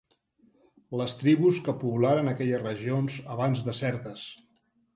Les tribus que poblaren aquelles regions abans desertes.